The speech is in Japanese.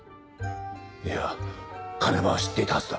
いや鐘場は知っていたはずだ。